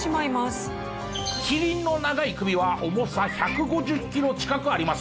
キリンの長い首は重さ１５０キロ近くあります。